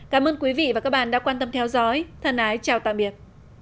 cảm ơn quý vị và các bạn đã quan tâm theo dõi thân ái chào tạm biệt